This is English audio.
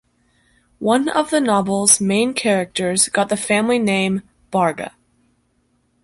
One of the novel's main characters got the family name "Barga".